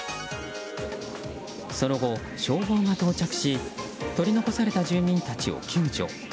その後、消防が到着し取り残された住民たちを救助。